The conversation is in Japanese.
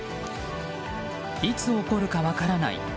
いつ起こるか分からない